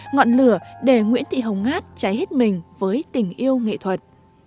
ngọn lửa để nguyễn thị hồng ngát cháy hết mình với tình yêu nghệ thuật